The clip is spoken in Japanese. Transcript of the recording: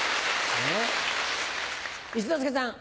一之輔さん。